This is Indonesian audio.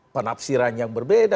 penafsiran yang berbeda